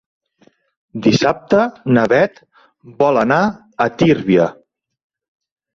Dissabte na Bet vol anar a Tírvia.